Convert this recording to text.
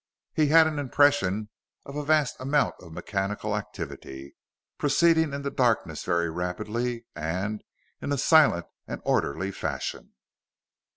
He had an impression of a vast amount of mechanical activity, proceeding in the darkness very rapidly, and in a silent and orderly fashion.